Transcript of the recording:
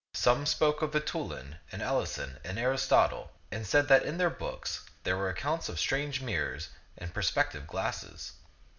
Some spoke of Vitu lan and Alacen and Aristotle, and said that in their books there were accounts of strange mirrors and per spective glasses.